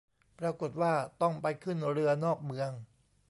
ปรากฎว่าต้องไปขึ้นเรือนอกเมือง